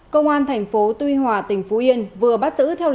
công an tp tuy hòa tỉnh phú yên vừa bắt giữ theo lệnh